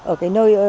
ở cái nơi